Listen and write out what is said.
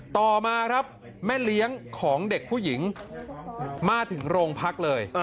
ต่อมาครับแม่เลี้ยงของเด็กผู้หญิงมาถึงโรงพักเลย